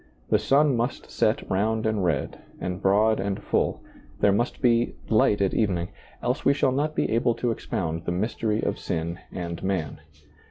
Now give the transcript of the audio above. The sun must set round and red, and broad and full ; there must be " light at evening," else we shall not be able to expound the mystery of sin and man.